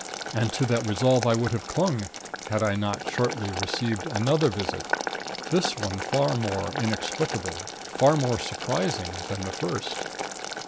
And to that resolve I would have clung had I not shortly received another visit this one far more inexplicable, far more surprising, than the first.